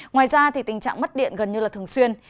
ngoài ra tình trạng mất điện gần như thường xuyên